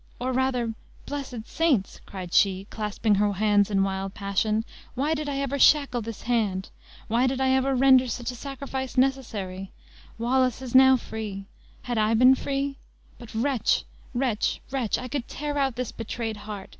or rather, blessed saints!" cried she, clasping her hands in wild passion, "why did I ever shackle this hand? why did I ever render such a sacrifice necessary? Wallace is now free; had I been free? But wretch, wretch, wretch; I could tear out this betrayed heart!